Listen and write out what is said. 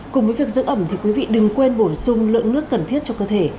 cùng với việc giữ ẩm thì quý vị đừng quên bổ sung lượng nước cần thiết cho cơ thể